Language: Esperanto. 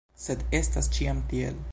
Sed estas ĉiam tiel.